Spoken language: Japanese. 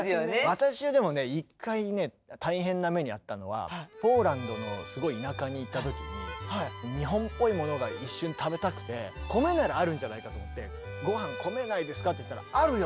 私はでもね一回ね大変な目に遭ったのはポーランドのすごい田舎に行った時に日本っぽいものが一瞬食べたくて米ならあるんじゃないかと思って「ご飯米ないですか？」って言ったら「あるよ」